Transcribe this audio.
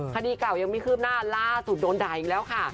คดีเก่ายังไม่คืบหน้าล่าสุดโดนด่าอีกแล้วค่ะ